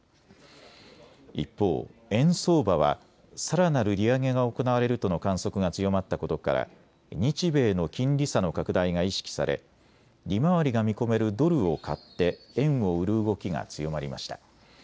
一方、円相場はさらなる利上げが行われるとの観測が強まったことから日米の金利差の拡大が意識され利回りが見込めるドルを買って円を売る動きが強まりました。